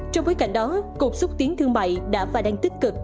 trong bối cảnh đó cục xúc tiến thương mại đã và đang tích cực